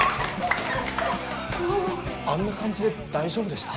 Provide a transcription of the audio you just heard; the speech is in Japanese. あんな感じで大丈夫でした？